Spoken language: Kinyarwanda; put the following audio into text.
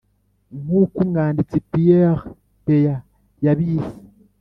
nkuko umwanditsi pierre péan yabise.